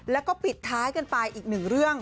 แล้วก็ปิดท้ายกันไปอีกหนึ่งเรื่อง